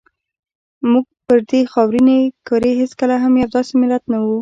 موږ پر دې خاورینې کرې هېڅکله هم یو داسې ملت نه وو.